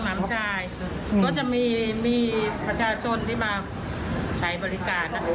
หลานชายก็จะมีมีประชาชนที่มาใช้บริการนะคะ